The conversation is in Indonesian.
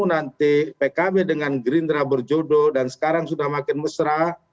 nanti pkb dengan gerindra berjodoh dan sekarang sudah makin mesra